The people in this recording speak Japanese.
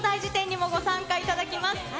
にもご参加いただきます。